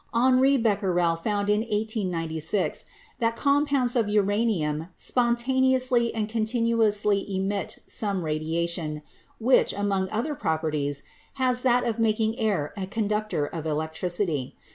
Henri Becquerel found in 1896 that compounds of ura nium spontaneously and continuously emit some radiation which, among other properties, has that of making air a. conductor of electricity.